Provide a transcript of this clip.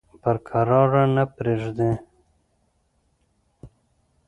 پر کراره نه پرېږدي.